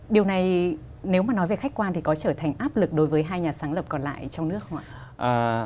điều này nếu mà nói về khách quan thì có trở thành áp lực đối với hai nhà sáng lập còn lại trong nước không ạ